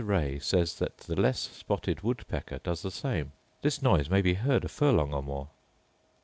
Ray says that the less spotted woodpecker does the same. This noise may be heard a furlong or more.